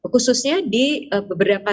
khususnya di beberapa